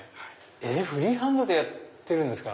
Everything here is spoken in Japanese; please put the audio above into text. フリーハンドでやってるんですか。